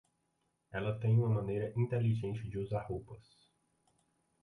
Ela tem uma maneira inteligente de usar roupas.